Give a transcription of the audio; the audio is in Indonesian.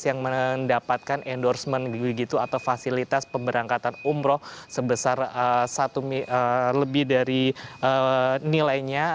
yang mendapatkan endorsement begitu atau fasilitas pemberangkatan umroh sebesar lebih dari nilainya